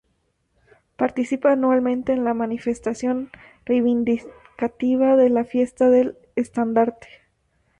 Participa anualmente en la manifestación reivindicativa de la Fiesta del Estandarte.